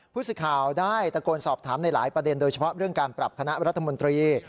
ผู้สื่อข่าวได้ตะโกนสอบถามในหลายประเด็นโดยเฉพาะเรื่องการปรับคณะรัฐมนตรี